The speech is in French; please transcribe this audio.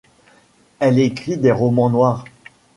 Elle écrit des romans noirs.